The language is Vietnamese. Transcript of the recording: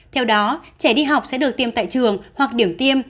theo đó trẻ đi học sẽ được tiêm tại trường hoặc điểm tiêm